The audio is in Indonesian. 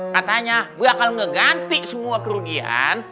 katanya bakal ngeganti semua kerugian